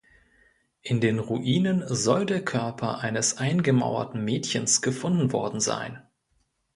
In den Ruinen soll der Körper eines eingemauerten Mädchens gefunden worden sein.